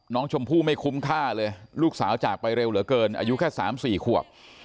น้องชมพู่ไม่คุ้มค่าเลยลูกสาวจากไปเร็วเหลือเกินอายุแค่๓๔ขวบ